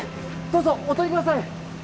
どうぞお通りください